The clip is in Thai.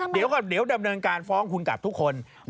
เดี๋ยวดำเนินการฟ้องคุณกลับทุกคน